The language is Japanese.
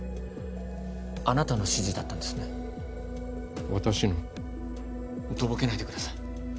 あなたの指示だったんですね私の？とぼけないでください